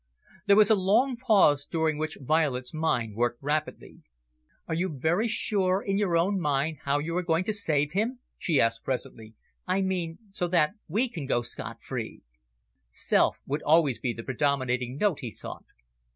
There was a long pause, during which Violet's mind worked rapidly. "Are you very sure in your own mind how you are going to save him?" she asked presently. "I mean, so that we can go scot free." Self would always be the predominating note, he thought.